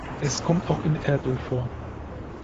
Es kommt auch in Erdöl vor.